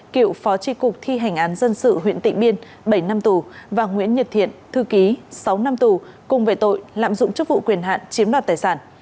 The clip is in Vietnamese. cựu phó tri cục thi hành án dân sự huyện tịnh biên bảy năm tù và nguyễn nhật thiện thư ký sáu năm tù cùng về tội lạm dụng chức vụ quyền hạn chiếm đoạt tài sản